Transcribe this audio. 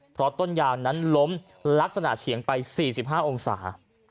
เพราะต้นยางนั้นล้มลักษณะเฉียงไป๔๕องศา